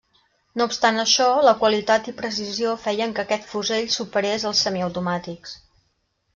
No obstant això, la qualitat i precisió feien que aquest fusell superés als semiautomàtics.